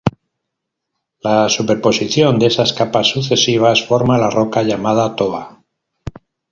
La superposición de esas capas sucesivas forma la roca llamada toba.